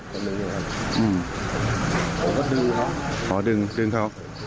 ผมก็ดึงเค้าอ๋อดึงเดินเค้า